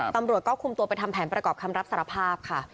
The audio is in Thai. ตำรวจก็คุมตัวไปทำแผนประกอบคำรับสารภาพค่ะ